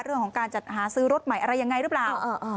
เรื่องของการจัดหาซื้อรถใหม่อะไรยังไงหรือเปล่า